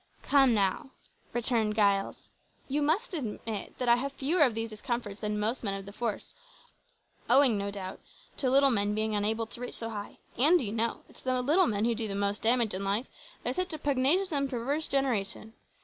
"Come now," returned Giles, "you must admit that I have fewer of these discomforts than most men of the force, owing, no doubt, to little men being unable to reach so high and, d'you know, it's the little men who do most damage in life; they're such a pugnacious and perverse generation!